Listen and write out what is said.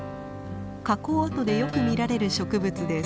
火口跡でよく見られる植物です。